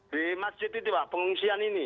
di masjid itu pak pengungsian ini